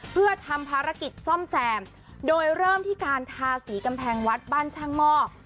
เพื่อทำภารกิจซ่อมแซมโดยเริ่มที่การทาสีกำแพงวัดบ้านช่างหม้อ